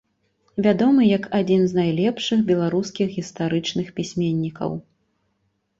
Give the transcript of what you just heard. Вядомы як адзін з найлепшых беларускіх гістарычных пісьменнікаў.